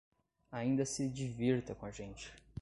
Ainda se divirta com a gente.